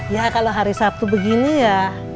ya kalau hari sabtu begini ya